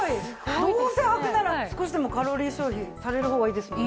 どうせはくなら少しでもカロリー消費されるほうがいいですもんね。